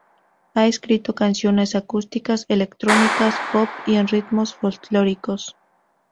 Ha escrito canciones acústicas, electrónicas, pop y en ritmos folclóricos.